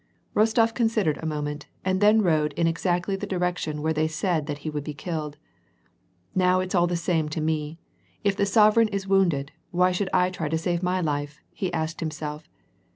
Bostof considered a moment and then rode in exactly the direction where they said that he would be killed. " Now it's all the same to me j if the sovereign is wounded, why should I try to save my life ?" he asked himself.